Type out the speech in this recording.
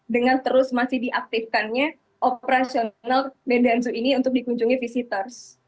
dengan terus masih diaktifkannya operasional bdnzoo ini untuk dikunjungi visitors